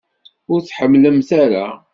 Ur t-ḥemmlent ara?